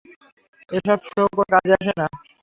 এসব শো কোনো কাজে আসে না।